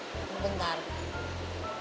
bentar kok gue tau dari mana